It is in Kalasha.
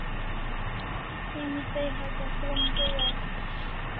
Emi tai hatya krom kai asta